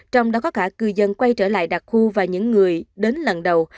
trong đó có cả cư dân quay trở lại đặc khu và những người đến lần đầu